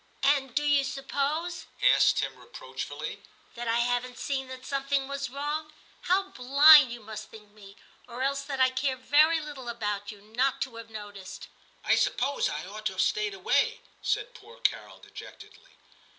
*And do you suppose,' asked Tim re I XI TIM 259 proachfully, *that I haven't seen that some thing was wrong ? How blind you must think me ; or else that I care very little about you, not to have noticed.' * I suppose I ought to have stayed away/ said poor Carol dejectedly.